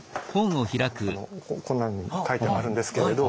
あのこんなのに書いてあるんですけれど。